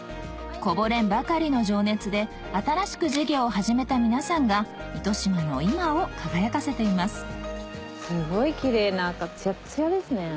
こぼれんばかりの情熱で新しく事業を始めた皆さんが糸島の今を輝かせています